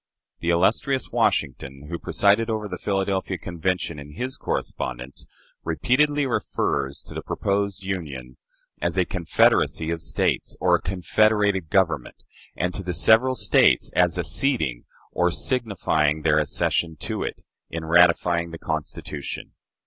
The illustrious Washington, who presided over the Philadelphia Convention, in his correspondence, repeatedly refers to the proposed Union as a "Confederacy" of States, or a "confederated Government," and to the several States as "acceding," or signifying their "accession," to it, in ratifying the Constitution.